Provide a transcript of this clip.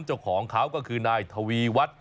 เจ้าของเขาก็คือนายทวีวัฒน์